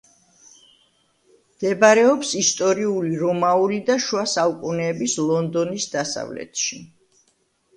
მდებარეობს ისტორიული რომაული და შუა საუკუნეების ლონდონის დასავლეთში.